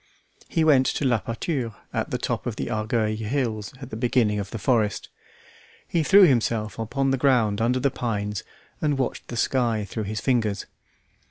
He went to La Pâture at the top of the Argueil hills at the beginning of the forest; he threw himself upon the ground under the pines and watched the sky through his fingers.